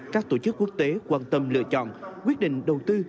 các tổ chức quốc tế quan tâm lựa chọn quyết định đầu tư